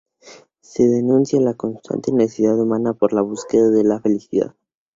Se denuncia la constante necesidad humana por la búsqueda de la felicidad.